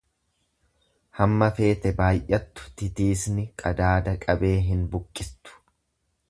Amma feete baayyattu titiisni qadaada qabee hin buqqiftu.